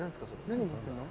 何持ってんの？